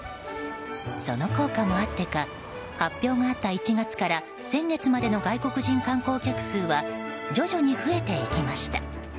その効果もあってか発表があった１月から先月までの外国人観光客数は徐々に増えていきました。